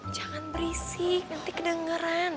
jangan berisik nanti kedengeran